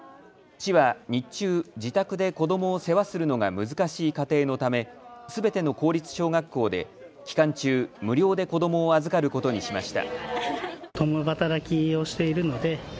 市は日中、自宅で子どもを世話するのが難しい家庭のためすべての公立小学校で期間中、無料で子どもを預かることにしました。